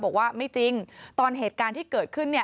บอกว่าไม่จริงตอนเหตุการณ์ที่เกิดขึ้นเนี่ย